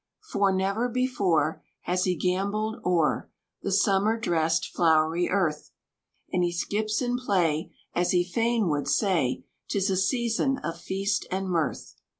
For, never before Has he gambolled o'er The summer dressed, flowery earth; And he skips in play, As he fain would say "'Tis a season of feast and mirth."